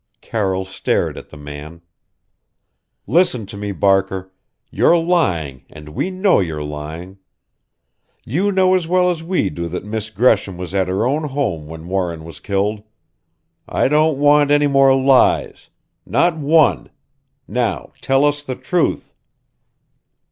Carroll stared at the man. "Listen to me, Barker you're lying and we know you're lying. You know as well as we do that Miss Gresham was at her own home when Warren was killed. I don't want any more lies! Not one! Now tell us the truth!"